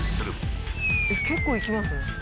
結構いきますね。